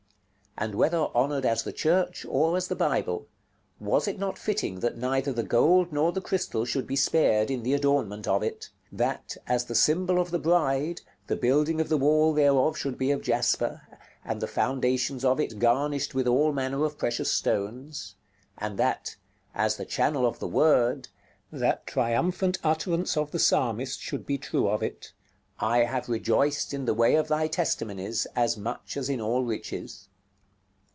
And whether honored as the Church or as the Bible, was it not fitting that neither the gold nor the crystal should be spared in the adornment of it; that, as the symbol of the Bride, the building of the wall thereof should be of jasper, and the foundations of it garnished with all manner of precious stones; and that, as the channel of the World, that triumphant utterance of the Psalmist should be true of it, "I have rejoiced in the way of thy testimonies, as much as in all riches?"